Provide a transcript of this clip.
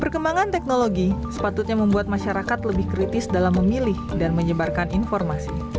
perkembangan teknologi sepatutnya membuat masyarakat lebih kritis dalam memilih dan menyebarkan informasi